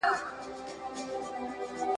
کښېناستل وکړه!!